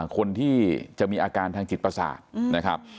คนที่จะมีอาการทางจิตประสาทนะครับ